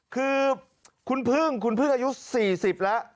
คือคุณพึ่งคุณพึ่งอายุ๔๐แล้ว